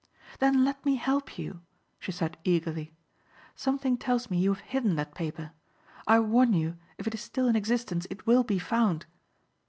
"Then let me help you," she said eagerly. "Something tells me you have hidden that paper. I warn you if it is still in existence, it will be found.